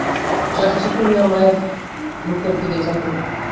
সে আশ্চর্য হইয়া মায়ের মুখের দিকে চাহিল।